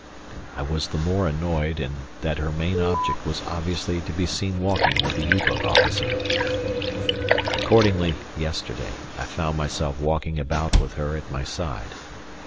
I was the more annoyed in that her main object was obviously to be seen walking with a U boat officer. Accordingly, yesterday, I found myself walking about with her at my side.